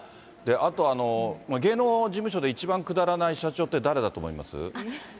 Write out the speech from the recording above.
あと、芸能事務所で一番くだらない社長って誰だと思います？